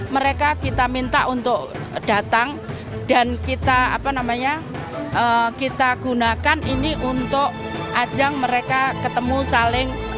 mereka kita minta untuk datang dan kita gunakan ini untuk ajang mereka ketemu saling